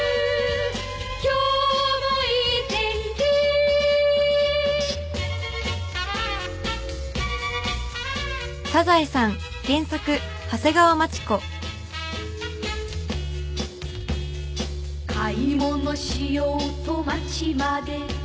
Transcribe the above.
「今日もいい天気」「買い物しようと街まで」